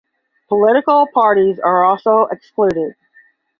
Political parties are also excluded.